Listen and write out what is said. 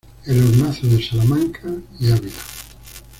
El hornazo de Salamanca y Ávila.